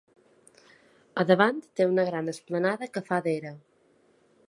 Al davant té una gran esplanada que fa d'era.